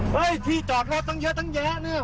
ที่จอดรถตั้งเยอะตั้งแยะเนี่ย